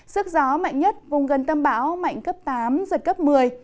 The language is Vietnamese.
sức gió mạnh nhất vùng gần tâm bão mạnh cấp tám giật cấp một mươi